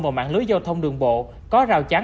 vào mạng lưới giao thông đường bộ có rào chắn